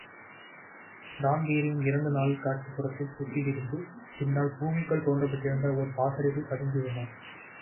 Dan Breen இரண்டு நாள் காட்டுப்புறத்தில் சுற்றித்திரிந்து, பின்னால் பூமிக்குள் தோண்டப்பட்டிருந்த ஒரு பாசறைக்குள் பதுங்கியிருந்தான்.